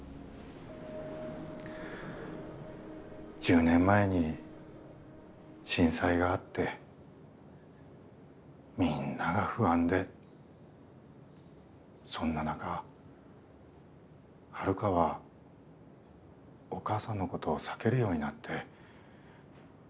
１０年前に震災があってみんなが不安でそんな中ハルカはお母さんのことを避けるようになって。